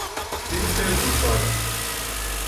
قیف دو سایز